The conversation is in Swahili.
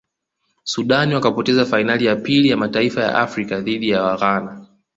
sudan wakapoteza fainali ya pili ya mataifa ya afrika dhidi ya waghnana